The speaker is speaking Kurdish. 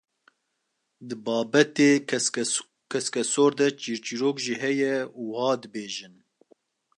Di babetê keskesor de çîrçîrok jî heye û wiha dibêjin.